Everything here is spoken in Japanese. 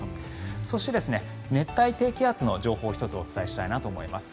そして、熱帯低気圧の情報を１つお伝えしたいなと思います。